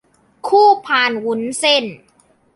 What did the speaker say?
คู่พานวุ้นเส้น